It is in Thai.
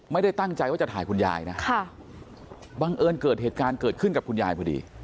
ไม่ได้ตั้งใจว่าจะถ่ายคุณยายนะบังเอิญเกิดเหตุการณ์เกิดขึ้นกับคุณยายพอดี